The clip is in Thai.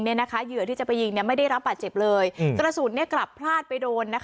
เหยื่อที่จะไปยิงไม่ได้รับบาดเจ็บเลยกระสุนกลับพลาดไปโดน